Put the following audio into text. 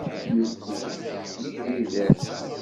Yufeg yijider.